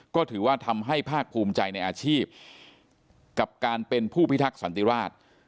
ก็ถือว่าทำให้ภาคภูมิใจในอาชีพกับการเป็นผู้พิทักษันติราช